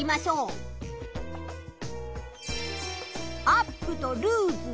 アップとルーズ。